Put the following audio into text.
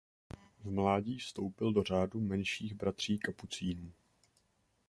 V mladí vstoupil do Řádu menších bratří kapucínů.